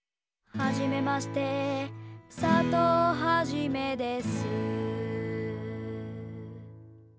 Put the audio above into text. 「はじめまして」「佐藤はじめです」